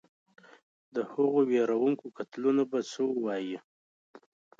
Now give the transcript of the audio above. د هغو وېروونکو قتلونو به څه ووایې.